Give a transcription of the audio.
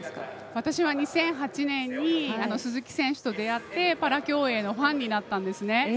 私は２００８年に鈴木選手と出会ってパラ競泳のファンになったんですね。